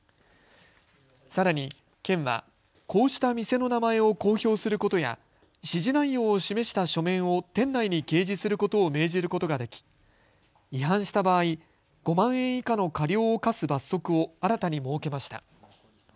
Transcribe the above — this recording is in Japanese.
さらに、県はこうした店の名前を公表することや指示内容を示した書面を店内に掲示することを命じることができ違反した場合、５万円以下の過料を科す罰則を新たに設けました。